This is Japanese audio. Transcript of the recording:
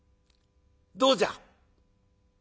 どうじゃ？」。